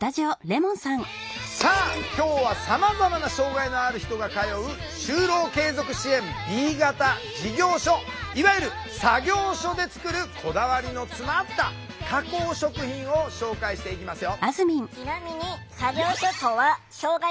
さあ今日はさまざまな障害のある人が通う就労継続支援Ｂ型事業所いわゆる作業所で作るこだわりの詰まった加工食品を紹介していきますよ。